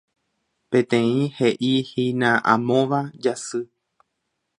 Peteĩ heʼíhina “Amóva Jasy”.